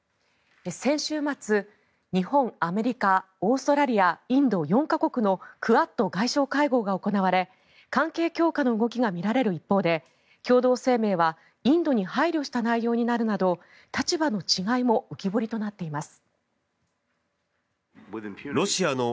先週末、日本、アメリカオーストラリア、インド４か国のクアッド外相会合が行われ関係強化の動きがみられる一方で共同声明はインドに配慮した内容になるなど立場の違いも浮き彫りとなっています。